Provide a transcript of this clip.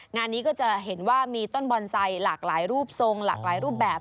งานนี้ก็จะเห็นว่ามีต้นบอนไซค์หลากหลายรูปทรงหลากหลายรูปแบบ